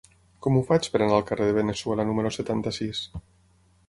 Com ho faig per anar al carrer de Veneçuela número setanta-sis?